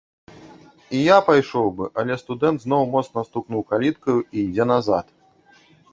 І я пайшоў бы, але студэнт зноў моцна стукнуў каліткаю і ідзе назад.